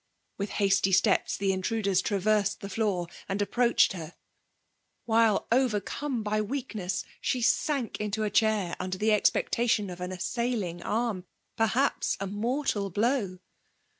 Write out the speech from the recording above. With hasty steps, the intruders traversed the floor, and approached her; while, over 342 FEMAU DOVINATIOfl. eome by weakness^ she sank into a chair under the expecitatidn of an aHmiKng arm — pcAapa aTmortal blow!